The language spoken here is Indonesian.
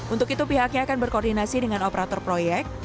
untuk itu pihaknya akan berkoordinasi dengan operator proyek